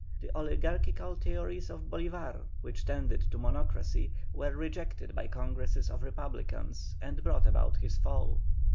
The oligarchical theories of Bolívar, which tended to monocracy, were rejected by Congresses of Republicans, and brought about his fall.